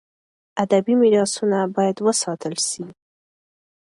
. ادبي میراثونه باید وساتل سي.